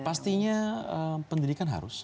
pastinya pendidikan harus